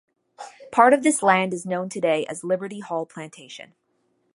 Part of this land is known today as Liberty Hall Plantation.